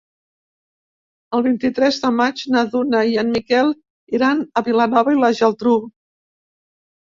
El vint-i-tres de maig na Duna i en Miquel iran a Vilanova i la Geltrú.